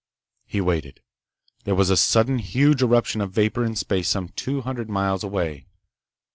He waited. There was a sudden huge eruption of vapor in space some two hundred miles away.